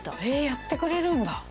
へえやってくれるんだ。